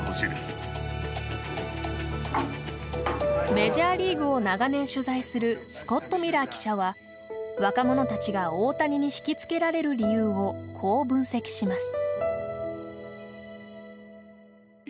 メジャーリーグを長年取材するスコット・ミラー記者は若者たちが大谷に引き付けられる理由をこう分析します。